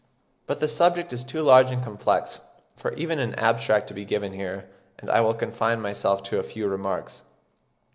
But the subject is too large and complex for even an abstract to be here given, and I will confine myself to a few remarks.